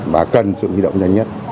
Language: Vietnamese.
và cần sự di động nhanh nhất